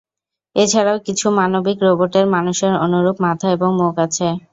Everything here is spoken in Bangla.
এছাড়াও কিছু মানবিক রোবটের মানুষের অনুরূপ মাথা এবং মুখ আছে।